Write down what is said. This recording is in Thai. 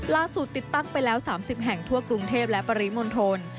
ติดตั้งไปแล้ว๓๐แห่งทั่วกรุงเทพและปริมณฑล